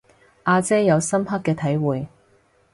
阿姐有深刻嘅體會